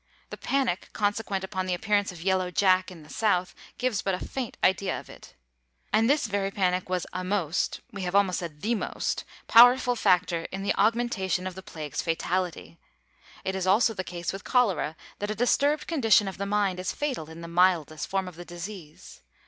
The panic consequent upon the appearance of Yellow Jack in the South gives but a faint idea of it. And this very panic was a most we had almost said the most powerful factor in the augmentation of the plague's fatality. It is also the case with cholera that a disturbed condition of the mind is fatal in the mildest form of the disease.